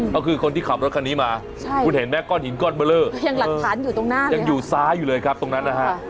ก็คือคนที่ขับรถคันนี้มาคุณเห็นไหมก้อนหินก้อนเบอร์เลอร์ยังหลักฐานอยู่ตรงหน้ายังอยู่ซ้ายอยู่เลยครับตรงนั้นนะฮะ